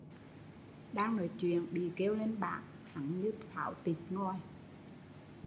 Đang nói chuyện bị kêu lên bảng, hắn như pháo tịt ngòi